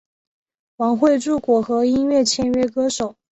王汇筑果核音乐签约歌手。